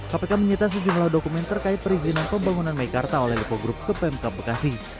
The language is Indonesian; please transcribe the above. kpk menyita sejumlah dokumen terkait perizinan pembangunan meikarta oleh lipo group ke pemkap bekasi